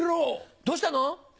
どうしたの？